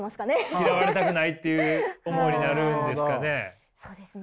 嫌われたくないっていう思いになるんですかね。